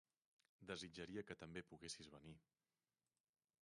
Desitjaria que també poguessis venir.